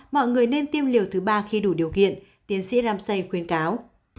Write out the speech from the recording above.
mọi người nên tiêm liều thứ ba khi đủ điều kiện tiến sĩ ramsey khuyên cáo